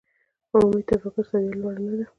عمومي تفکر سویه لوړه نه ده.